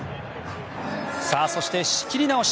そして、仕切り直し。